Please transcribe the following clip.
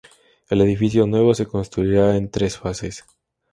El edificio nuevo se construirá en tres fases.